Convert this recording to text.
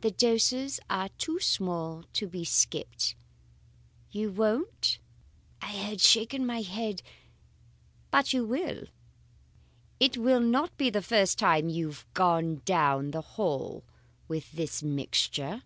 The doses are too small to be skipped. You won't?' I had shaken my head 'But you will! It will not be the first time you have gone down the hall with this mixture.